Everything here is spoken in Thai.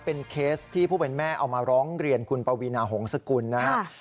เป็นเคสที่ผู้เป็นแม่เอามาร้องเรียนคุณปวีนาหงษกุลนะครับ